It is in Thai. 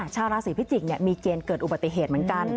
ชาวราศีพิจิกษ์มีเกณฑ์เกิดอุบัติเหตุเหมือนกัน